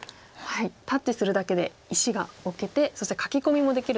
タッチするだけで石が置けてそして書き込みもできるということで。